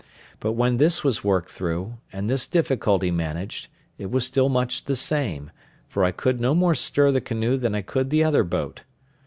but when this was worked through, and this difficulty managed, it was still much the same, for I could no more stir the canoe than I could the other boat.